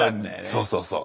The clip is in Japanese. そうそうそう。